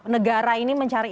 negara ini mencari